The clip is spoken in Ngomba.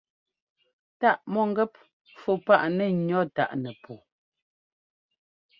Táʼ mɔ̂ngɛ́p fû páʼ nɛ́ ŋʉ̈ táʼ nɛpuu.